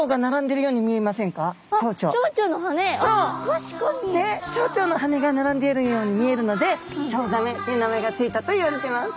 チョウチョの羽が並んでいるように見えるのでチョウザメっていう名前がついたといわれてます。